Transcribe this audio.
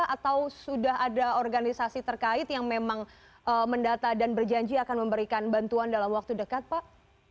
atau sudah ada organisasi terkait yang memang mendata dan berjanji akan memberikan bantuan dalam waktu dekat pak